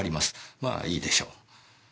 まあいいでしょう。